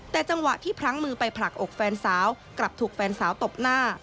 แต่จังหวะที่พลั้งมือไปผลักอกแฟนสาวกลับถูกแฟนสาวตบหน้า